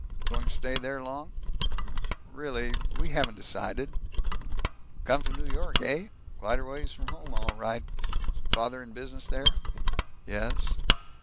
"Going to stay there long?" "Really We haven't decided." "Come from New York, eh? Quite a ways from home, all right. Father in business there?" "Yes."